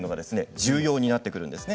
重要になってきます。